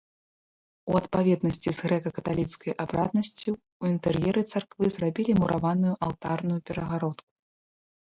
У адпаведнасці з грэка-каталіцкай абраднасцю ў інтэр'еры царквы зрабілі мураваную алтарную перагародку.